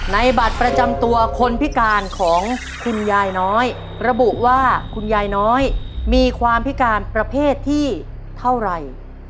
บัตรประจำตัวคนพิการของคุณยายน้อยระบุว่าคุณยายน้อยมีความพิการประเภทที่เท่าไหร่